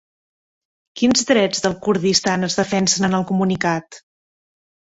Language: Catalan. Quins drets del Kurdistan es defensen en el comunicat?